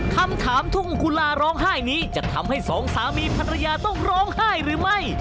คำถามทุ่งกุลาร้องไห้นี้จะทำให้สองสามีภรรยาต้องร้องไห้หรือไม่